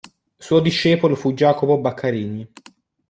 Suo discepolo fu Jacopo Baccarini.